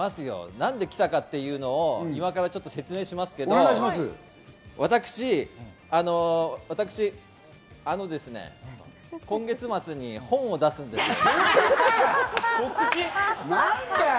何で来たかっていうのを今からちょっと説明しますけれど、私、あのですね、今月末に本を出すんです。告知？